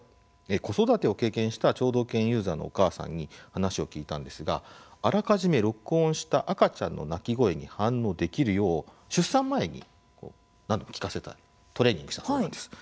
子育てを経験した聴導犬ユーザーのお母さんに話を聞いたんですがあらかじめ録音した赤ちゃんの泣き声に反応できるよう出産前に何度も聞かせたトレーニングしたそうです。